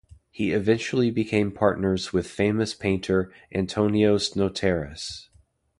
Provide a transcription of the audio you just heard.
He eventually became partners with famous painter Antonios Notaras.